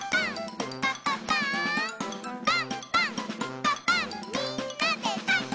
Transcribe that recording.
「パンパンんパパンみんなでパン！」